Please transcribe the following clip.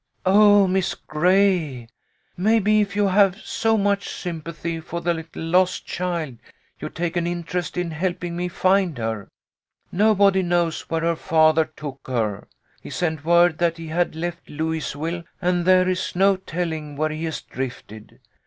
" Oh, Miss Gray ! Maybe if you have so much sympathy for the little lost child, you'd take an interest in helping me find her. Nobody knows 114 THE LITTLE COLONELS HOLIDAYS. where her father took her. He sent word that he had left Louisville, and there is no telling where he has drifted.